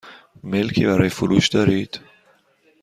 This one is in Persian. ملکی برای فروش دارید؟